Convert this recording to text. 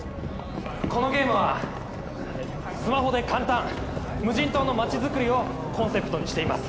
このゲームはスマホで簡単無人島の街づくりをコンセプトにしています